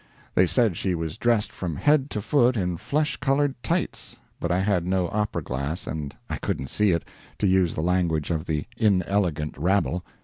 They said she was dressed from head to foot in flesh colored "tights," but I had no opera glass, and I couldn't see it, to use the language of the inelegant rabble.